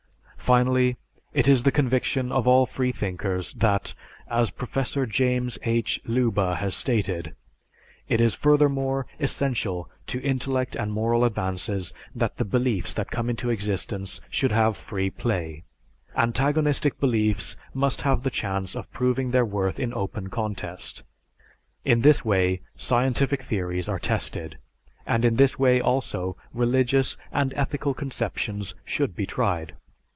Finally, it is the conviction of all freethinkers that, as Professor James H. Leuba has stated, "It is, furthermore, essential to intellectual and moral advances that the beliefs that come into existence should have free play. Antagonistic beliefs must have the chance of proving their worth in open contest. It is this way scientific theories are tested, and in this way also, religious and ethical conceptions should be tried.